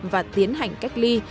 và tiến hành cách ly